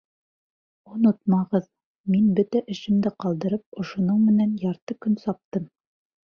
Онотмағыҙ: мин бөтә эшемде ҡалдырып, ошоноң менән ярты көн саптым.